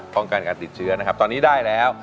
ป้องกันการติดเชื้อนะครับตอนนี้ได้แล้ว